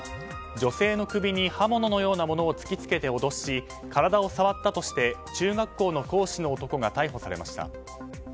女性の首に刃物のようなものを突き付けて脅し体を触ったとして中学校の講師の男が逮捕されました。